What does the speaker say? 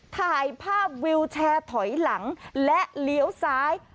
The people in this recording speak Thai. ถ่ายภาพวิวแชร์ถอยหลังและเลี้ยวซ้าย